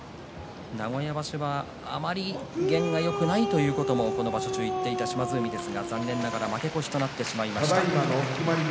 名古屋場所は、あまり験がよくないということをこの場所中に言っていた島津海ですが残念ながら負け越しとなってしまいました。